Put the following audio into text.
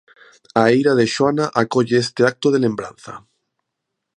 A Eira de Xoana acolle este acto de lembranza.